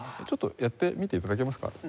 ちょっとやってみて頂けますか。